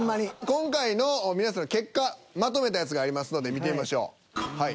今回の皆さんの結果まとめたやつがありますので見てみましょうはい。